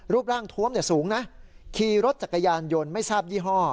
รูปร่างทวมสูงนะขี่รถจักรยานยนต์ไม่ทราบยี่ห้อ